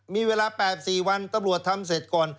มีเวลา๘๔วันตำรวจทำเสร็จก่อน